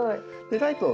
ライトを。